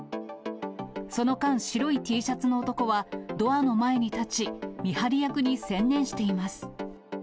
その間、白いＴシャツの男はドアの前に立ち、見張り役に専念しています。